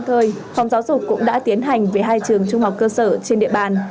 giáo dục cũng đã tiến hành về hai trường trung học cơ sở trên địa bàn